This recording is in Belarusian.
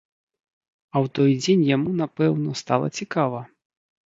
А ў той дзень яму, напэўна, стала цікава.